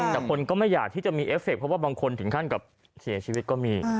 แต่คนก็ไม่อยากที่จะมีเอฟเคเพราะว่าบางคนถึงขั้นกับเสียชีวิตก็มี